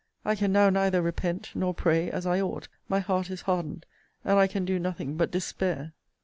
I can now neither repent, nor pray, as I ought; my heart is hardened, and I can do nothing but despair!